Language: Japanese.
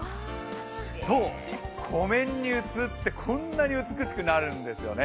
湖面に映ってこんなに美しくなるんですよね。